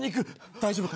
大丈夫か？